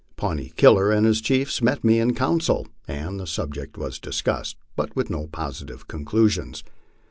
Pawnee Killer and his chiefs met me in council and the subject was discussed, but with no positive conclusions.